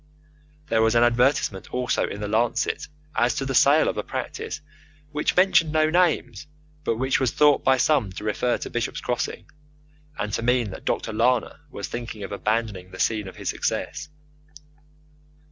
There was an advertisement also in the Lancet as to the sale of a practice which mentioned no names, but which was thought by some to refer to Bishop's Crossing, and to mean that Dr. Lana was thinking of abandoning the scene of his success.